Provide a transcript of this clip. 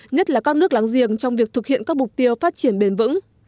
nhất là các nước láng giềng trong việc thực hiện các mục tiêu phát triển bền vững